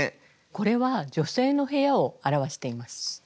これは女性の部屋を表しています。